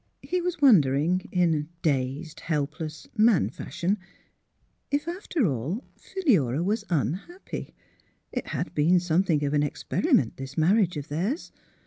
He was wondering, in dazed, helpless man fashion, if, after all, Philura was un happy. It had been something of an experiment, this marriage of theirs.